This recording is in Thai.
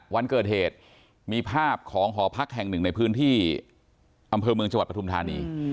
วันเกิดเหตุมีภาพของหอพักแห่งหนึ่งในพื้นที่อำเภอเมืองจังหวัดปฐุมธานี